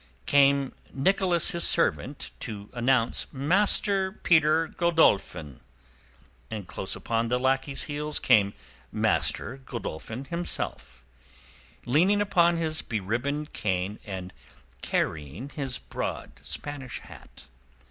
Came Nicholas his servant to announce Master Peter Godolphin, and close upon the lackey's heels came Master Godolphin himself, leaning upon his beribboned cane and carrying his broad Spanish hat.